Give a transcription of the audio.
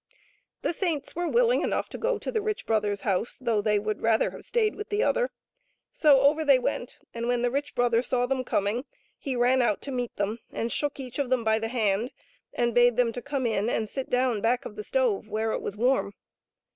The saints were willing enough to go to the rich brother's house, though they would rather have stayed with the other. So over they went, and when the rich brother saw them coming he ran out to meet them, and shook each of them by the hand, and bade them to come in and sit down back of the stove where it was warm.